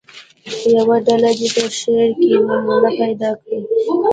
یوه ډله دې په شعر کې نومونه پیدا کړي.